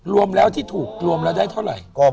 รวมแล้วที่ถูกรวมแล้วได้เท่าไหร่